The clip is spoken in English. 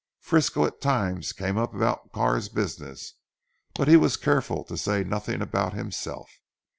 Frisco at times came up about Carr's business but he was careful to say nothing about himself.